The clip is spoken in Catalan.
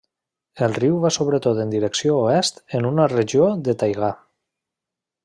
El riu va sobretot en direcció oest en una regió de taigà.